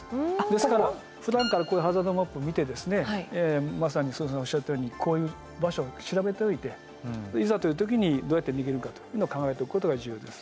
ですからふだんからこういうハザードマップを見てまさにすずさんおっしゃったようにこういう場所調べておいていざという時にどうやって逃げるかというのを考えておくことが重要です。